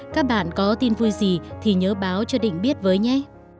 các bạn có tin vui gì thì nhớ báo cho định biết với nhé